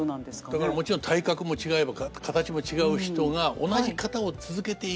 だからもちろん体格も違えば形も違う人が同じ型を続けていく。